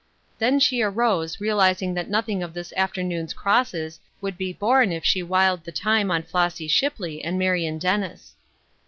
Then she arose, realizing that nothing of this afternoon's crosses would be borne if she whiled the time on Flossy Shipley and Marion Dennis.